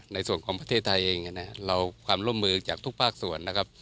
ในส่วนของประเทศไทยเองเราความร่วมมือจากทุกภาคส่วนนะครับ